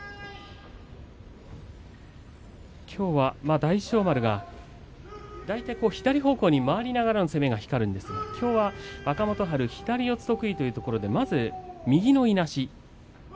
きょうは大翔丸が大体、左方向に回りながらの攻めが光るんですがきょうは若元春、左四つ得意というところで、まず右のいなし。